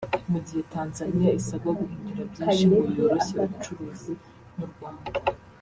Mu gihe Tanzaniya isabwa guhindura byinshi ngo yoroshye ubucuruzi n’u Rwanda